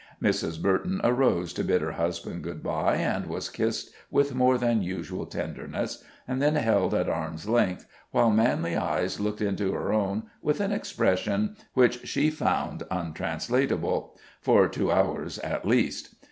Mrs. Burton arose to bid her husband Good by, and was kissed with more than usual tenderness, and then held at arm's length, while manly eyes looked into her own with an expression which she found untranslatable for two hours at least.